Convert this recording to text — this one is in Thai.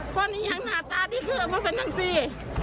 คนอย่างหน้าตาดิขึ้นมาเป็นทั้งสี่